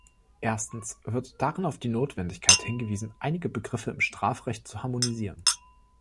Erstens wird darin auf die Notwendigkeit hingewiesen, einige Begriffe im Strafrecht zu harmonisieren.